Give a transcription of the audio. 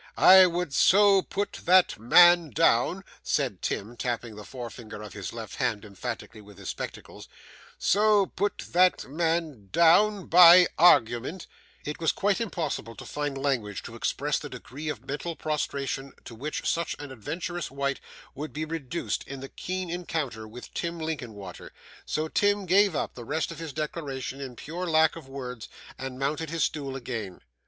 I would so put that man down,' said Tim, tapping the forefinger of his left hand emphatically with his spectacles, 'so put that man down by argument ' It was quite impossible to find language to express the degree of mental prostration to which such an adventurous wight would be reduced in the keen encounter with Tim Linkinwater, so Tim gave up the rest of his declaration in pure lack of words, and mounted his stool again.